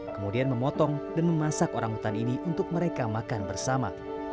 kemudian memotong dan memasak orang hutan ini untuk mereka makan bersama